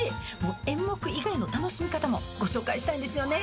演目以外の楽しみ方もご紹介したいんですよね。